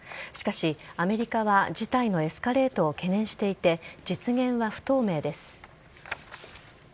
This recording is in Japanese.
しかし、アメリカは事態のエスカレートを懸念していて、実現は不透明です。